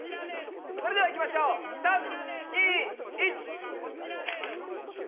それではいきましょう３２１。